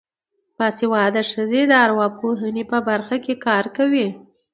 باسواده ښځې د ارواپوهنې په برخه کې کار کوي.